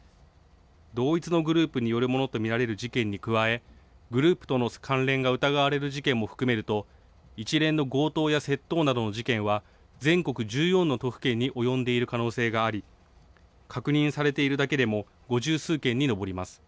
同一のグループによるものと見られる事件に加え、グループとの関連が疑われる事件も含めると、一連の強盗や窃盗などの事件は、全国１４の都府県に及んでいる可能性があり、確認されているだけでも五十数件に上ります。